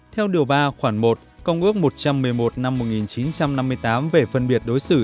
theo điều ba khoản một công ước một trăm một mươi một năm một nghìn chín trăm năm mươi tám về phân biệt đối xử